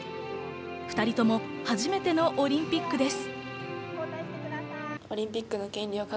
２人とも初めてのオリンピックです。